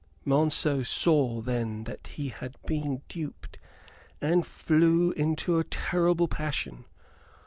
Monceux saw then that he had been duped, and flew into a terrible passion.